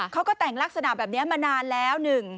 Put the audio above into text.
เขาก็แต่งลักษณะแบบนี้มานานแล้ว